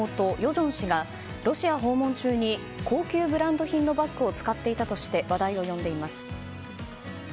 正氏がロシア訪問中に高級ブランド品のバッグを使っていたとして話題を呼んでいます。